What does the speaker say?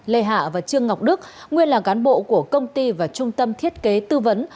lê hạ và trương ngọc đức nguyên là cán bộ của công ty và trung tâm thiết kế tư vấn